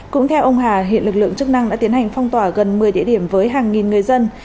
cũng theo ông hà hiện lực lượng chức năng đã tiến hành phong tỏa gần một mươi địa điểm với hàng nghìn người dân